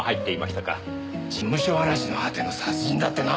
事務所荒らしの果ての殺人だってな。